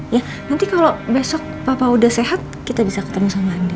ya nanti kalau besok papa udah sehat kita bisa ketemu sama anda